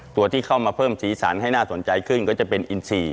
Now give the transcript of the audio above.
ตัวที่เข้ามาเพิ่มสีสันให้น่าสนใจขึ้นก็จะเป็นอินทรีย์